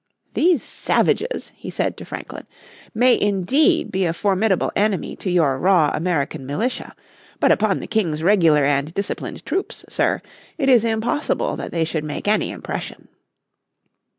"These savages," he said to Franklin, "may indeed be a formidable enemy to your raw American militia. But upon the King's regular and disciplined troops, sir, it is impossible that they should make any impression."